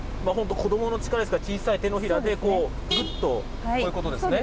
子どもの力ですから、小さい手のひらで、ぐっと、こういうことですね。